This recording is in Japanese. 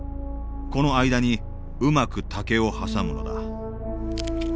この間にうまく竹を挟むのだ。